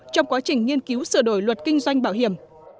trong quá trình nghiên cứu sửa đổi luật kinh doanh bảo hiểm